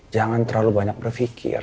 jangan terlalu banyak berpikir